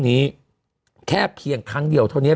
มันติดคุกออกไปออกมาได้สองเดือน